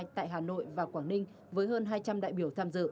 tại hà nội và quảng ninh với hơn hai trăm linh đại biểu tham dự